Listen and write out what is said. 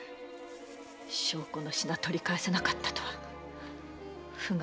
証拠の品を取り返せなかったとはふがいのないことよ。